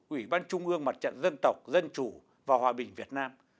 ủy ban trung ương mặt trận dân tộc dân chủ và hòa bình việt nam